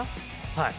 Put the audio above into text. はい。